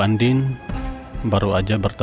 namun dil apart dari pantai ini tuo